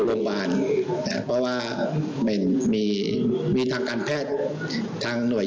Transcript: ส่วนในประเทศเราการปล่อยปะละเลย